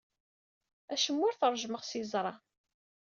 Acemma ur t-ṛejjmeɣ s yeẓra.